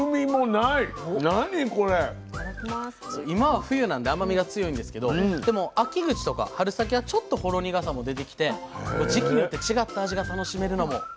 今は冬なんで甘みが強いんですけどでも秋口とか春先はちょっとほろ苦さも出てきて時期によって違った味が楽しめるのも。